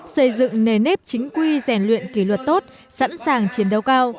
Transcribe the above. xây dựng nề nếp chính quy rèn luyện kỷ luật tốt sẵn sàng chiến đấu cao